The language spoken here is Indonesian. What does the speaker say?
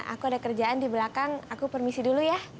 aku ada kerjaan di belakang aku permisi dulu ya